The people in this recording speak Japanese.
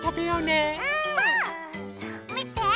みて！